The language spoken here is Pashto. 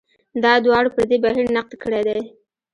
دا دواړو پر دې بهیر نقد کړی دی.